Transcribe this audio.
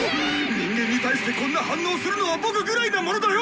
人間に対してこんな反応するのは僕ぐらいなものだよ！